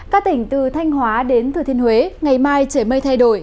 các tỉnh từ thanh hóa đến thừa thiên huế ngày mai trời mây thay đổi